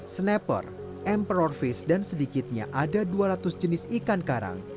snapper emprorfish dan sedikitnya ada dua ratus jenis ikan karang